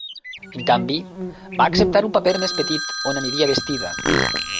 En canvi, va acceptar un paper més petit, on aniria vestida.